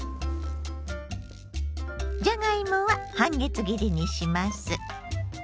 じゃがいもは半月切りにします。